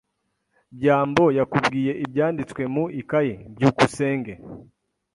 byambo yakubwiye ibyanditswe mu ikaye? byukusenge